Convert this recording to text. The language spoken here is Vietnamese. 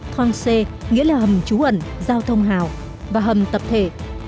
khoang xê nghĩa là hầm trú ẩn giao thông hào và hầm tập thể